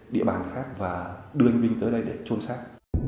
địa bàn khác và đưa anh minh tới đây để trôn sát